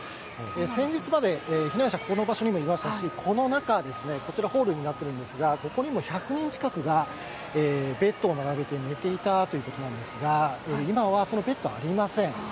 先日まで避難者、この場所にもいましたし、この中ですね、こちら、ホールになっているんですが、ここにも１００人近くがベッドを並べて寝ていたということなんですが、今はそのベッドはありません。